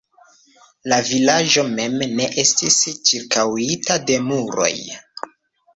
La vilaĝo mem ne estis ĉirkaŭita de muroj.